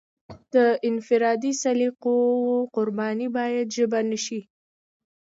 د انفرادي سلیقو قرباني باید ژبه نشي.